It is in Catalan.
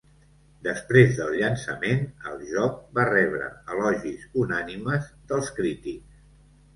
Després del llançament, el joc va rebre elogis unànimes dels crítics.